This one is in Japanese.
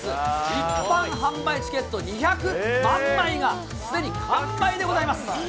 一般販売チケット２００万枚が、すでに完売でございます。